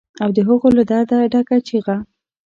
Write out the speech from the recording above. او د هغو له درده ډکه چیغه